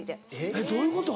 えっどういうこと？